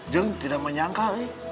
dung tidak menyangka nih